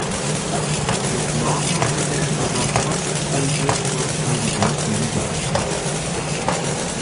Mit Lorca hätte er sogar fast den Durchmarsch in die erste Liga geschafft.